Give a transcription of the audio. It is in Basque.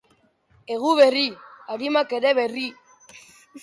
Eguberri, arimak ere berri.